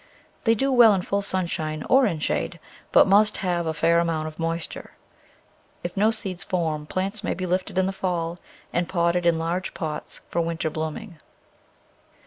They do well in full sunshine or in shade, but must have a fair amount of moisture. If no seeds form plants may be lifted in the fall and potted in large pots for winter blooming.